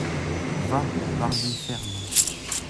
Va, parle-lui ferme.